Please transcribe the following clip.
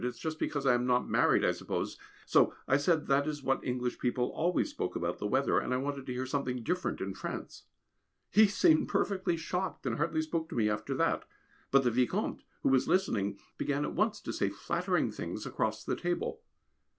It is just because I am not married I suppose, so I said that is what English people always spoke about the weather and I wanted to hear something different in France. He seemed perfectly shocked, and hardly spoke to me after that, but the Vicomte, who was listening, began at once to say flattering things across the table.